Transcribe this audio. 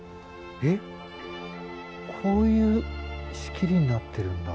えっこういう仕切りになってるんだ。